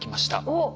おっ。